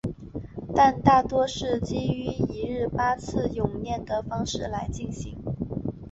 但大多是基于一日八次诵念的方式来进行。